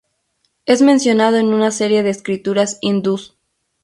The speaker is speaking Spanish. Es mencionado en una serie de escrituras hindúes.